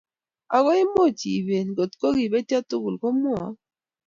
Ako moch ibeet ngot ko rebetyo tugul, komwoi.